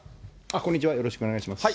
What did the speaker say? こんにちは、よろしくお願いします。